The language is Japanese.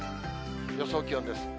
予想気温です。